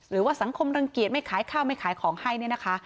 หรือว่าสังคมรังเกียจไม่ขายข้าวไม่ขายของให้เนี่ยนะคะ